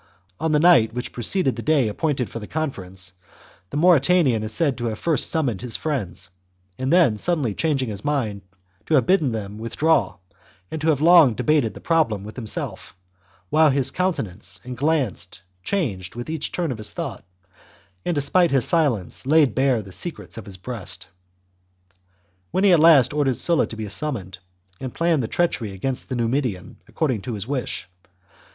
On the night which preceded the day appointed for the conference, the Mauritanian is said to have first summoned his friends, and then, suddenly chang ing his mind, to have bidden them withdraw, and to have long debated the problem with himself, while his countenance and glance changed with each turn of his thought, and, despite his silence, laid bare the secrets of his breast. At last he ordered Sulla to be summoned, and planned the treacher}^ against the Numidian, according to his wish.